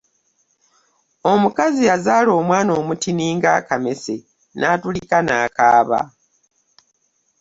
Omukazi yazaala omwana omutini ng'akamese, n'atulika n'akaaba